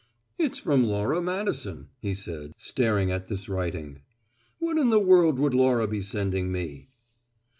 "It's from Laura Madison," he said, staring at this writing. "What in the world would Laura be sending me?"